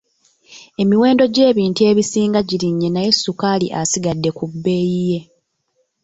Emiwendo gy'ebintu ebisinga girinnye naye ssukaali asigadde ku bbeeyi ye.